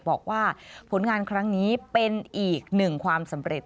บอกว่าผลงานครั้งนี้เป็นอีกหนึ่งความสำเร็จ